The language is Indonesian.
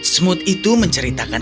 semut itu menceritakan